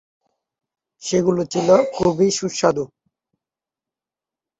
সেগুলো ছিল খুবই সুস্বাদু।